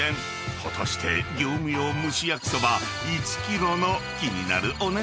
［果たして業務用むし焼そば１ｋｇの気になるお値段は？］